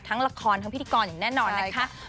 ละครทั้งพิธีกรอย่างแน่นอนนะคะ